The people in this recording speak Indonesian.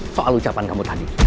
soal ucapan kamu tadi